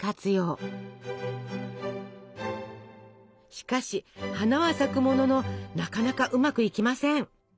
しかし花は咲くもののなかなかうまくいきません。